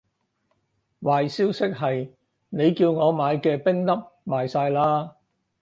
壞消息係，你叫我買嘅冰粒賣晒喇